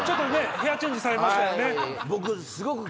ヘアチェンジされました。